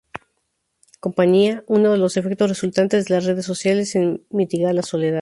Compañía: Uno de los efectos resultantes de las redes sociales es mitigar la soledad.